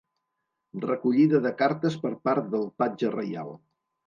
Recollida de cartes per part del patge reial.